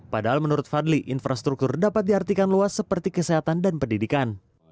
padahal menurut fadli infrastruktur dapat diartikan luas seperti kesehatan dan pendidikan